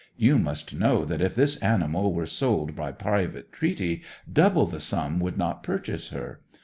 You must know that if this animal were sold by private treaty, double the sum would not purchase her.